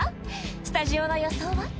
スタジオの予想は？